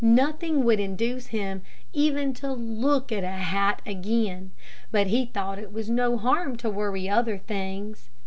Nothing would induce him even to look at a hat again. But he thought it was no harm to worry other things.